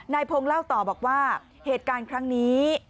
นายพงศ์เล่าต่อบอกว่าเหตุการณ์ครั้งนี้